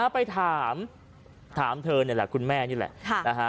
ไปถามถามเธอคุณแม่นี่แหละ